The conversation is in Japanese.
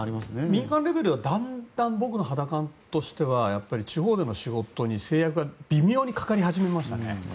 民間レベルはだんだん、僕の肌感としては地方での仕事に制約が微妙にかかり始めましたね。